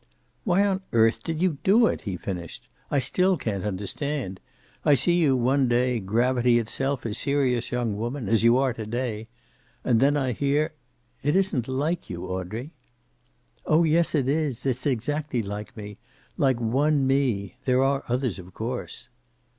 "Why on earth did you do it," he finished. "I still can't understand. I see you one day, gravity itself, a serious young woman as you are to day. And then I hear it isn't like you, Audrey." "Oh yes, it is. It's exactly like me. Like one me. There are others, of course."